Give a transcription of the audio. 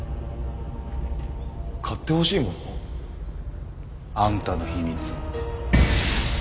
買ってほしいもの？あんたの秘密。